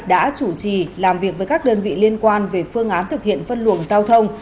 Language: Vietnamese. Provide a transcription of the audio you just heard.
đã chủ trì làm việc với các đơn vị liên quan về phương án thực hiện phân luồng giao thông